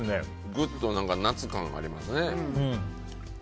ぐっと夏感ありますね。